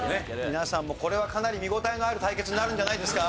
皆さんもこれはかなり見応えのある対決になるんじゃないですか？